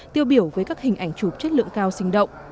tiêu biểu với các hình ảnh chụp chất lượng cao sinh động